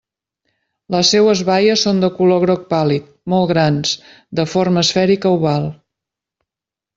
Les seues baies són de color groc pàl·lid, molt grans, de forma esfèrica oval.